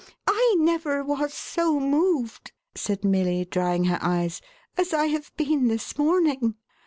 " I never was so moved," said Millv, drying her eves, "as I have been this morning.